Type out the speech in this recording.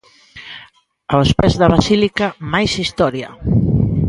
Aos pés da basílica, máis historia.